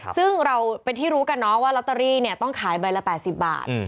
ซึ่งเราเป็นที่รู้กันเนาะว่าลอตเตอรี่ต้องขายใบละ๘๐บาท